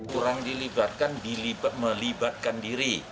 kurang dilibatkan melibatkan diri